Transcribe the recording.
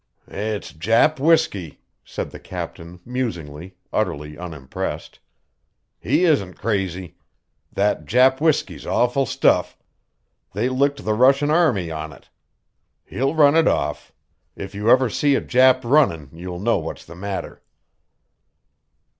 "It's Jap whiskey," said the captain, musingly, utterly unimpressed. "He isn't crazy. That Jap whiskey's awful stuff. They licked the Russian army on it. He'll run it off. If you ever see a Jap runnin' you'll know what's the matter."